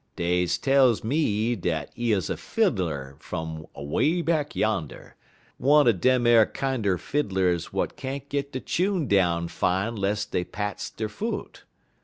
Dey tells me dat he 'uz a fiddler fum away back yander one er dem ar kinder fiddlers w'at can't git de chune down fine 'less dey pats der foot.